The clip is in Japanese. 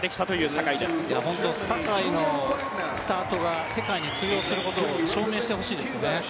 坂井のスタートが世界に通用することを証明してほしいですね。